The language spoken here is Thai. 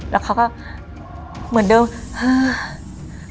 แล้วเขาก็เหมือนเดิมฮ่า